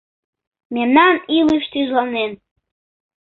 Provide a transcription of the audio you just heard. Мемнан илыш тӱзланен